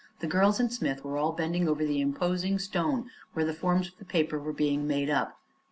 The girls and Smith were all bending over the imposing stone, where the forms of the paper were being made up.